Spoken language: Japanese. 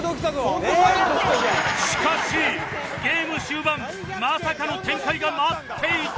しかしゲーム終盤まさかの展開が待っていた